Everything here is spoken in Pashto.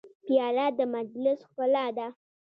پیاله د مجلس ښکلا ده.